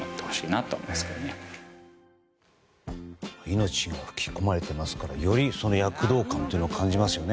命が吹き込まれていますからより躍動感を感じますよね。